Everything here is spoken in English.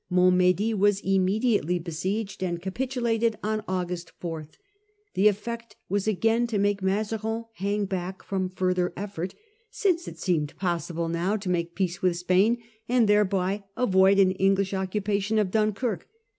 Montmddy was immediately besieged, and capitulated on August 4. The effect was again to make Mazarin hang back from further effort, since it seemed possible now to make peace with Spain, and thereby avoid an English occupation of Dunkirk.